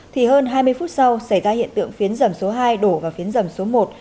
thì hơn hai mươi phút sau xảy ra hiện tượng phiến dầm số hai đổ vào phiến dầm số một